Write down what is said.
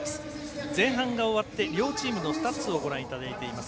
前半が終わって両チームのスタッツをご覧いただいています。